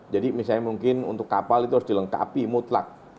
jadi misalnya mungkin untuk kapal itu harus dilengkapi mutlak